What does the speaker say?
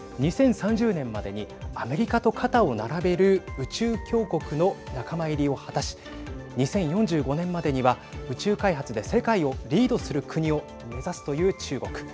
２０３０年までにアメリカと肩を並べる宇宙強国の仲間入りを果たし２０４５年までには、宇宙開発で世界をリードする国を目指すという中国。